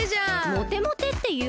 モテモテっていう？